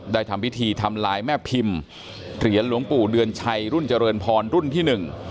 ทำพิธีทำลายแม่พิมพ์เหรียญหลวงปู่เดือนชัยรุ่นเจริญพรรุ่นที่หนึ่ง